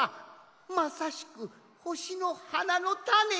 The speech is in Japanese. まさしく「ほしのはな」のタネじゃ！